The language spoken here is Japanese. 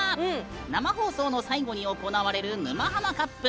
生放送の最後に行われる「沼ハマカップ」。